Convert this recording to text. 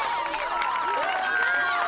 すごい！